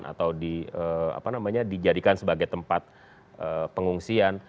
atau dijadikan sebagai tempat pengungsian